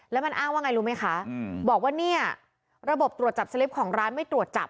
แล้วมันอ้างว่าไงรู้ไหมคะบอกว่าเนี่ยระบบตรวจจับสลิปของร้านไม่ตรวจจับ